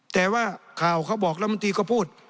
แต่ว่าข่าวเขาบอกรัฐมนตรีก็พูด